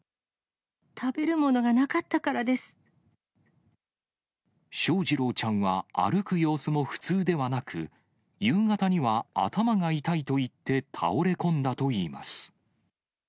食べるものがなかったからで翔士郎ちゃんは歩く様子も普通ではなく、夕方には頭が痛いと言って倒れ込んだといいます。